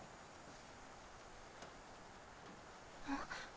あっ。